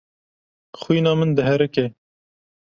Xwîna min diherike.